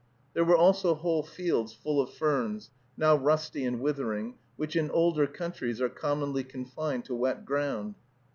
There were also whole fields full of ferns, now rusty and withering, which in older countries are commonly confined to wet ground.